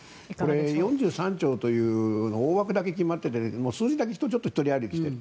４３兆という大枠だけ決まってて数字だけ独り歩きしている。